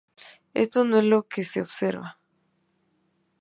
Esto no es lo que se observa.